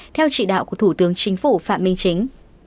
theo chỉ đạo của thủ tướng chính phủ phạm minh chính